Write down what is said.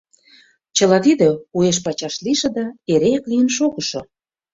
Чыла тиде – уэш-пачаш лийше да эреак лийын шогышо.